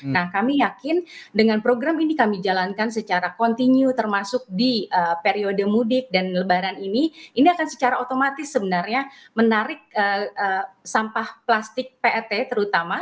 nah kami yakin dengan program ini kami jalankan secara kontinu termasuk di periode mudik dan lebaran ini ini akan secara otomatis sebenarnya menarik sampah plastik pet terutama